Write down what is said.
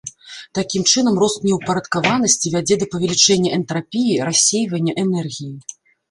Такім чынам, рост неўпарадкаванасці вядзе да павялічэння энтрапіі, рассейвання энергіі.